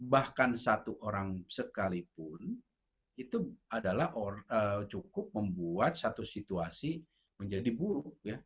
bahkan satu orang sekalipun itu adalah cukup membuat satu situasi menjadi buruk